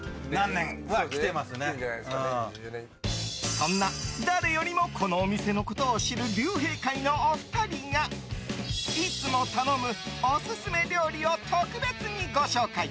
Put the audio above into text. そんな誰よりもこのお店のことを知る竜兵会のお二人が、いつも頼むおすすめ料理を特別にご紹介。